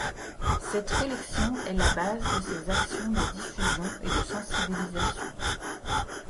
Cette collection est la base de ses actions de diffusion et de sensibilisation.